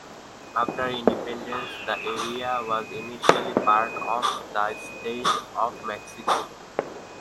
After Independence, the area was initially part of the State of Mexico.